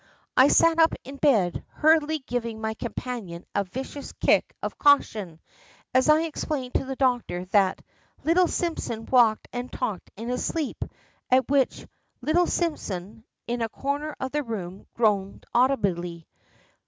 I sat up in bed, hurriedly giving my companion a vicious kick of caution, as I explained to the doctor that "little Simpson walked and talked in his sleep;" at which "little Simpson," in a corner of the room, groaned audibly.